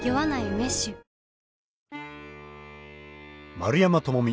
丸山智己